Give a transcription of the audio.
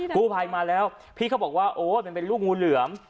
กู่ไพมาแล้วพี่เขาบอกว่าเป็นลูกงูเหลว